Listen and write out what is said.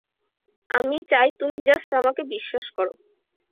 আমি চাই তুমি জাস্ট আমাকে বিশ্বাস করো!